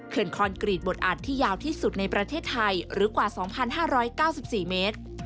คอนกรีตบทอัดที่ยาวที่สุดในประเทศไทยหรือกว่า๒๕๙๔เมตร